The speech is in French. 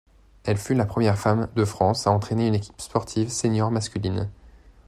Elle fut la première femme de France à entrainer une équipe sportive senior masculine.